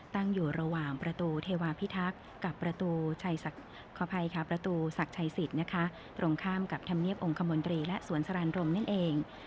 ตั้งอยู่ระหว่างประตูเทวาพิทักษ์กับประตูทรัยทรัยศิษฐ์นะคะตรงข้ามกับธรรมเนียบองค์ขมนตรีและสวนสรรรณรมนั่นเอง